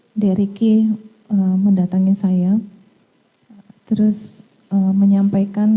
ketika ricky datang ke saya dia menyampaikan